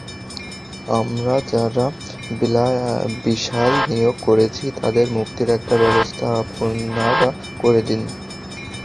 আমরা যারা বিশাল বিনিয়োগ করেছি, তাদের মুক্তির একটা ব্যবস্থা আপনারা করে দিন।